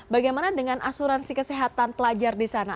bagaimana dengan asuransi kesehatan pelajar di sana